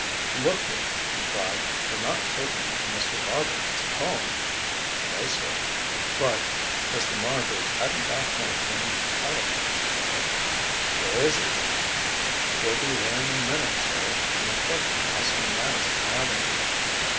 "Look here," he cried, "you're not taking me to Mr. Marbridge's home!" "No, sir." "But " "Mr. Marbridge hadn't gone home when he telephoned me, sir." "Where is he, then?" "We'll be there in a minute, sir an apartment house on Madison Avenue."